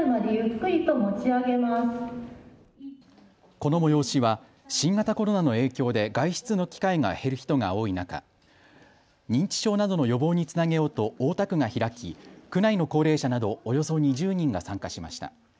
この催しは新型コロナの影響で外出の機会が減る人が多い中、認知症などの予防につなげようと大田区が開き、区内の高齢者などおよそ２０人が参加しました。